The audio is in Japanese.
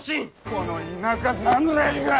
この田舎侍が！